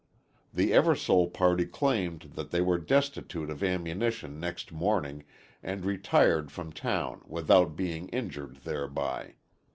The Eversole party claimed that they were destitute of ammunition next morning and retired from town without being injured thereby.